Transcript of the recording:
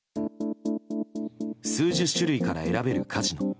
数十種類から選べるカジノ。